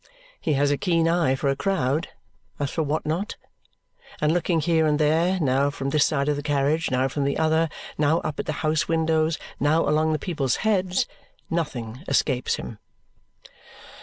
He has a keen eye for a crowd as for what not? and looking here and there, now from this side of the carriage, now from the other, now up at the house windows, now along the people's heads, nothing escapes him.